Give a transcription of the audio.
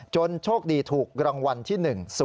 จนโชคดีถูกรางวัลที่๑๐๗๔๘๒๔